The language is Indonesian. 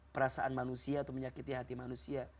perasaan manusia atau menyakiti hati manusia